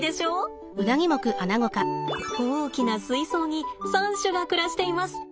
大きな水槽に３種が暮らしています。